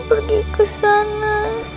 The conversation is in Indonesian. pergi ke sana